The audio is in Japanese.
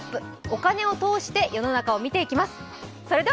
お金を通して世の中を見ていきます。